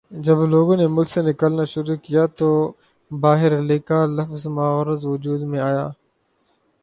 جب لوگوں نے ملک سے نکلنا شروع کیا تو باہرلے کا لفظ معرض وجود میں آیا